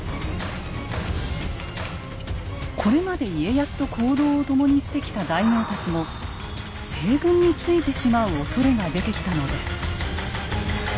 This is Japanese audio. これまで家康と行動を共にしてきた大名たちも西軍についてしまうおそれが出てきたのです。